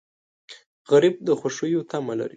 غریب د خوښیو تمه لري